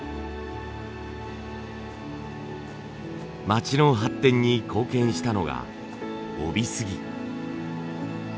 町の発展に貢献したのが飫肥杉。